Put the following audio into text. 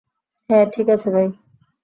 হ্যাঁ, ঠিক আছে ভাই।